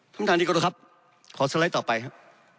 ท่านท่านดีกว่าครับขอสไลด์ต่อไปครับ